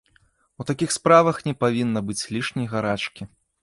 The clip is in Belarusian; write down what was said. У такіх справах не павінна быць лішняй гарачкі.